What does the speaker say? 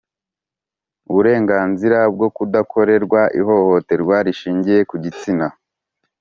Uburenganzira bwo Kudakorerwa Ihohoterwa Rishingiye ku Gitsina